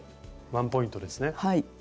ワンポイントですね。